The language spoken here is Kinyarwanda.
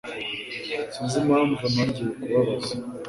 Sinzi impamvu nongeye kubabaza.